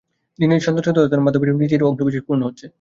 নিজের সন্তানহত্যার মাধ্যমে সেই ইচ্ছারই অংশবিশেষ পূর্ণ হচ্ছে।